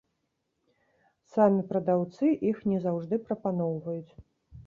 Самі прадаўцы іх не заўжды прапаноўваюць.